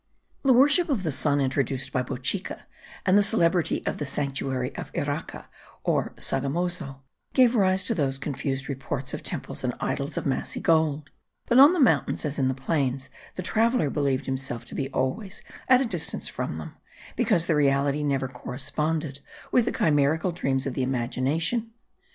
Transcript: The worship of the sun introduced by Bochica, and the celebrity of the sanctuary of Iraca, or Sogamozo, gave rise to those confused reports of temples and idols of massy gold; but on the mountains as in the plains, the traveller believed himself to be always at a distance from them, because the reality never corresponded with the chimerical dreams of the imagination.